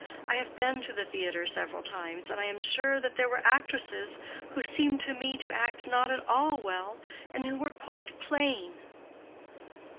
I have been to the theatre several times, and I am sure there were actresses who seemed to me to act not at all well and who were quite plain."